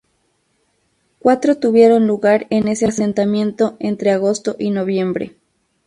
Cuatro tuvieron lugar en ese asentamiento entre agosto y noviembre.